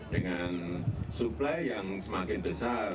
dengan suplai yang semakin besar